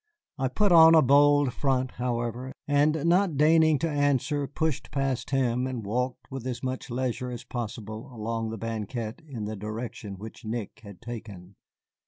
I put on a bold front, however, and not deigning to answer, pushed past him and walked with as much leisure as possible along the banquette in the direction which Nick had taken.